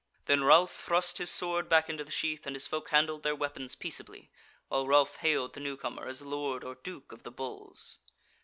Then Ralph thrust his sword back into the sheath, and his folk handled their weapons peaceably, while Ralph hailed the new comer as Lord or Duke of the Bulls.